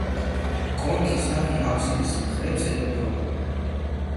კონქის თაღი აბსიდის მხრებს ეყრდნობა.